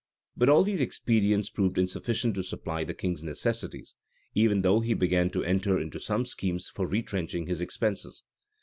But all these expedients proved insufficient to supply the king's necessities; even though he began to enter into some schemes for retrenching his expenses.